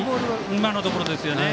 今のところですよね。